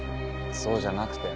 そうじゃなくて。